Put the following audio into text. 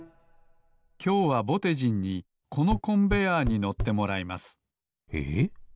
きょうはぼてじんにこのコンベアーに乗ってもらいますえっ？